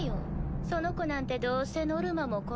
その子なんてどうせノルマもこなせず。